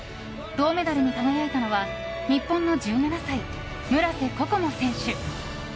銅メダルに輝いたのは日本の１７歳、村瀬心椛選手。